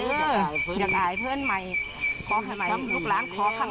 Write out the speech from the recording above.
เห็นลูกตาไปอยู่พิสอบไปอยู่พันธ์นิพพาน